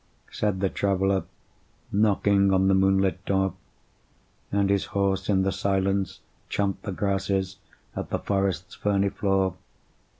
said the Traveller, Knocking on the moonlit door; And his horse in the silence champed the grasses Of the forest's ferny floor.